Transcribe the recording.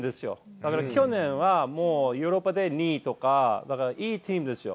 だから去年はもうヨーロッパで２位とか、だから、いいチームですよ。